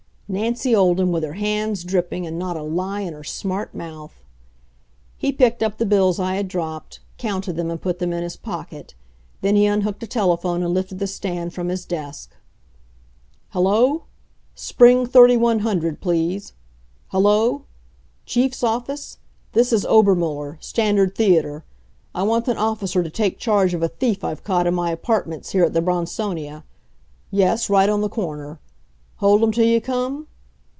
Nancy Olden, with her hands dripping, and not a lie in her smart mouth! He picked up the bills I had dropped, counted them and put them in his pocket. Then he unhooked a telephone and lifted the stand from his desk. "Hello! Spring 3100 please. Hello! Chief's office? This is Obermuller, Standard Theater. I want an officer to take charge of a thief I've caught in my apartments here at the Bronsonia. Yes, right on the corner. Hold him till you come?